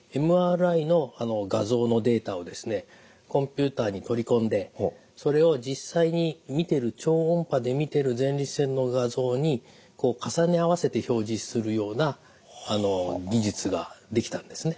ＭＲＩの画像のデータをですねコンピューターに取り込んでそれを実際に見てる超音波で見てる前立腺の画像に重ね合わせて表示するような技術が出来たんですね。